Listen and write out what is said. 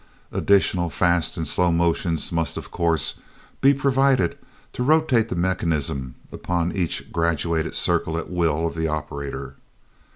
Additional fast and slow motions must, of course, be provided to rotate the mechanism upon each graduated circle at the will of the operator.